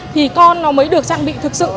thì con nó mới được trang bị thực sự